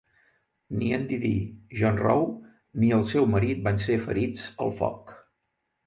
Ni en DeeDee Jonrowe ni el seu marit van ser ferits al foc.